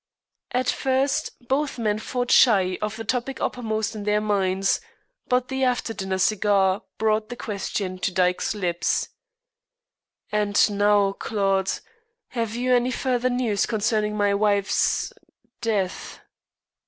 At first both men fought shy of the topic uppermost in their minds, but the after dinner cigar brought the question to Dyke's lips: "And now, Claude, have you any further news concerning my wife's death?"